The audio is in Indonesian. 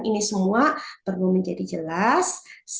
ini semua perlu menjadi jelas